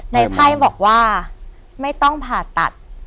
ไพ่บอกว่าไม่ต้องผ่าตัด